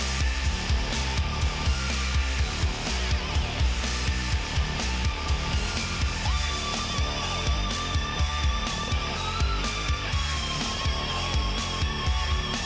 สวัสดีครับ